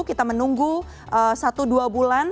kita menunggu satu dua bulan